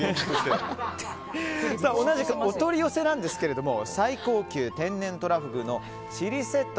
同じくお取り寄せなんですが最高級天然とらふぐのちりセット。